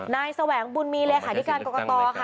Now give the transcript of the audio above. นายแสวงบุญมีเลยค่ะธิการกรกตค่ะ